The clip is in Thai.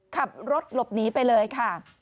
ขับรถหลบหนีไปเลยค่ะ